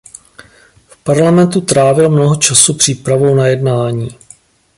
V parlamentu trávil mnoho času přípravou na jednání.